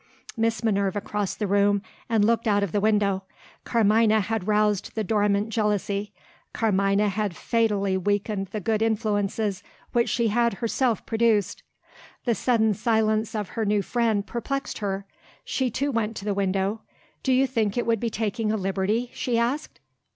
Miss Minerva crossed the room, and looked out of window. Carmina had roused the dormant jealousy; Carmina had fatally weakened the good influences which she had herself produced. The sudden silence of her new friend perplexed her. She too went to the window. "Do you think it would be taking a liberty?" she asked.